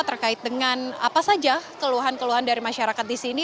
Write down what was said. terkait dengan apa saja keluhan keluhan dari masyarakat di sini